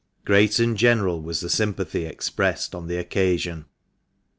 Great and general was the sympathy expressed on the occasion.